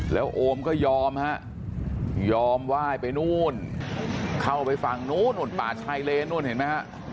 แล้วโอมก็ยอมฮะยอมไหว้ไปนู่นเข้าไปฝั่งนู้นนู่นป่าชายเลนนู่นเห็นไหมฮะ